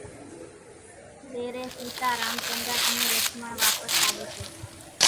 تيرين سيتا، رامچندر انين لڇمڻ واپس آوي سي